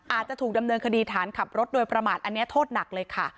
อาจจะถูกดำเนินคดีฐานขับรถโดยประมาทอันนี้โทษหนักเลยค่ะ